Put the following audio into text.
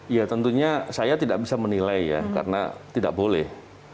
ya tentunya saya tidak bisa menilai ya karena tidak boleh